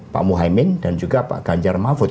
pak muhaymin dan juga pak ganjar mahfud